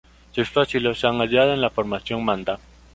Sus fósiles se han hallado en la Formación Manda.